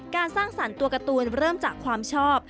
สร้างสรรค์ตัวการ์ตูนเริ่มจากความชอบ